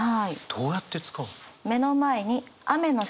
どうやって使うの？